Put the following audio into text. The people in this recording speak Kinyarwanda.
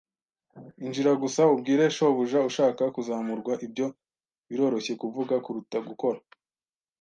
"Injira gusa ubwire shobuja ushaka kuzamurwa." "Ibyo biroroshye kuvuga kuruta gukora."